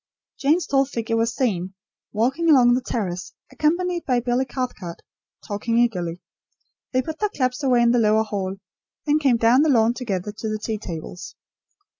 Jane's tall figure was seen, walking along the terrace, accompanied by Billy Cathcart, talking eagerly. They put their clubs away in the lower hall; then came down the lawn together to the tea tables.